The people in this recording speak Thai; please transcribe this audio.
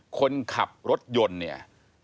คนขับรถยนต์เนี่ย